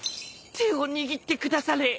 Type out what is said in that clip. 手を握ってくだされ。